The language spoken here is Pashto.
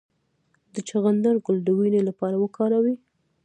د چغندر ګل د وینې لپاره وکاروئ